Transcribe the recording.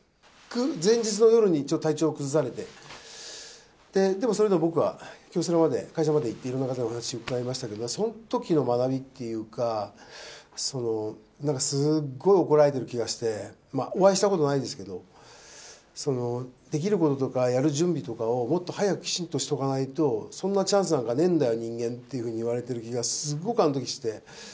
前日の夜にちょっと体調を崩されて、それでも僕は京セラまで、会場まで行って、いろんな方のお話を伺いましたけれども、そのときの学びというか、なんかすっごい怒られてる気がして、お会いしたことはないですけど、できることとかやる準備とかをもっと早くきちっとしておかないと、そんなチャンスなんかねぇんだよ、人間って、なんか言われてる気が、すごく、あのときして。